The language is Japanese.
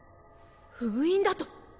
封印だと？